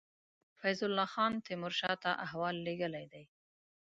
فیض الله خان تېمور شاه ته احوال لېږلی دی.